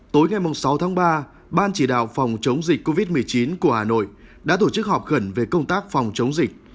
tối ngày sáu tháng ba ban chỉ đạo phòng chống dịch covid một mươi chín của hà nội đã tổ chức họp khẩn về công tác phòng chống dịch